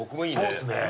そうっすね